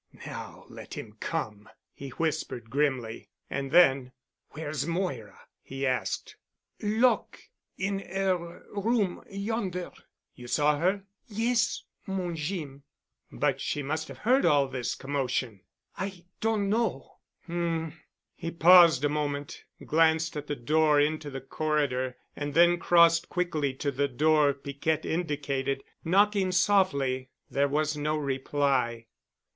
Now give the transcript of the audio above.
"Now let him come," he whispered grimly. And then, "Where's Moira?" he asked. "Lock' in 'er room—yonder." "You saw her?" "Yes, mon Jeem." "But she must have heard all this commotion." "I doan know." "Um." He paused a moment, glanced at the door into the corridor, and then crossed quickly to the door Piquette indicated, knocking softly. There was no reply.